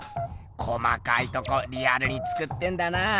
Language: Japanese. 細かいとこリアルに作ってんだな。